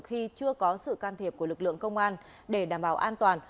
khi chưa có sự can thiệp của lực lượng công an để đảm bảo an toàn